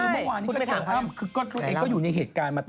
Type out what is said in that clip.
คือเมื่อวานี้ข้าถามอ้ำก็ทักเองก็อยู่ในเหตุการณ์มาตลอด